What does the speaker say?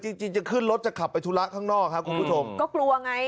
จริงจริงจะขึ้นรถจะขับไปธุระข้างนอกครับคุณผู้ชมก็กลัวไง